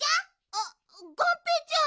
あっがんぺーちゃん！